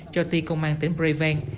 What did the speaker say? cho ti công an tỉnh preven